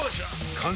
完成！